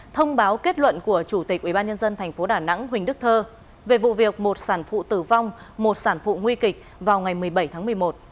thông báo kết luận của chủ tịch ủy ban nhân dân tp đà nẵng huỳnh đức thơ về vụ việc một sản phụ tử vong một sản phụ nguy kịch vào ngày một mươi bảy tháng một mươi một